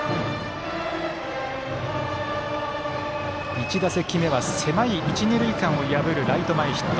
１打席目は狭い一、二塁間を破るライト前ヒット。